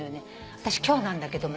私今日なんだけどもいい？